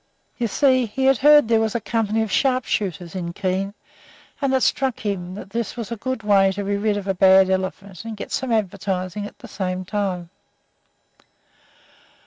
You see, he had heard there was a company of sharpshooters in Keene, and it struck him this was a good way to be rid of a bad elephant, and get some advertising at the same time.